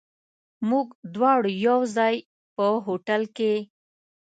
موږ دواړه یو ځای، په هوټل کې.